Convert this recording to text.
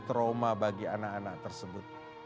untuk itu saya menjaga keamanan mereka